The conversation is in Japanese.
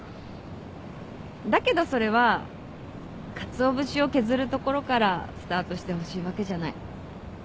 だけどそれはかつお節を削るところからスタートしてほしいわけじゃない。